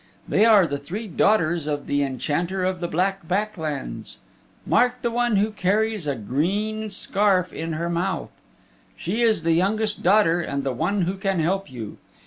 They are the three daughters of the Enchanter of the Black Back Lands. Mark the one who carries a green scarf in her mouth. She is the youngest daughter and the one who can help you.